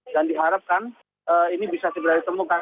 dan diharapkan ini bisa tiba tiba ditemukan